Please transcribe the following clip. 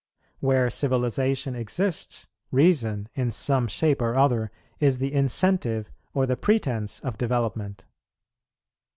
Where civilization exists, reason, in some shape or other, is the incentive or the pretence of development.